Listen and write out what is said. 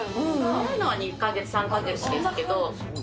早いのは２か月３か月ですけれども。